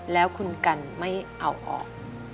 แล้วคุณกันไม่เอาออก